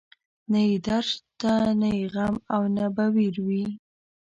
نه يې درد شته، نه يې غم او نه به وير وي